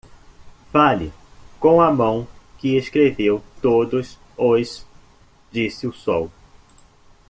"Fale com a mão que escreveu todos os?" disse o sol.